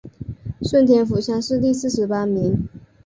顺天府乡试第四十八名。